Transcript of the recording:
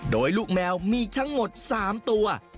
โดยลูกแมวมีทั้งหมด๓ตัว